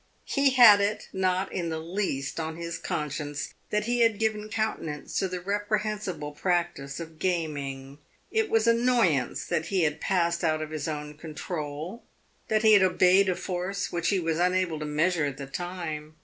He had it not in the least on his conscience that he had given countenance to the reprehensible practice of gaming. It was annoyance that he had passed out of his own control that he had obeyed a force which he was unable to measure at the time.